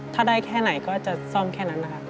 ถ้าได้แค่ไหนก็จะซ่อมแค่นั้นนะครับ